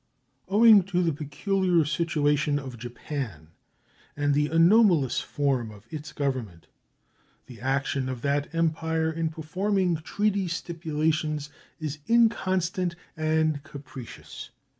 Owing to the peculiar situation of Japan and the anomalous form of its Government, the action of that Empire in performing treaty stipulations is inconstant and capricious.